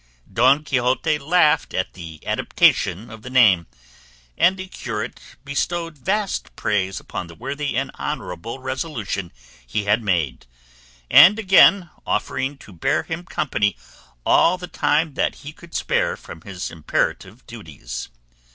Don Quixote laughed at the adaptation of the name, and the curate bestowed vast praise upon the worthy and honourable resolution he had made, and again offered to bear him company all the time that he could spare from his imperative duties.